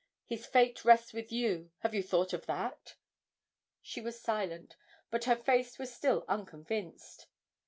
His fate rests with you, have you thought of that?' She was silent, but her face was still unconvinced.